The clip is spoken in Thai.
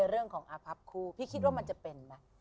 เรื่องของอาพับคู่พี่คิดว่ามันจะเป็นไหม